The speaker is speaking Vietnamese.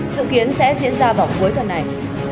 dự kiến sẽ diễn ra vào cuối tuần này